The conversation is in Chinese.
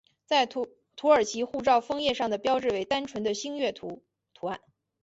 在土耳其护照封页上的标志为单纯的星月图案。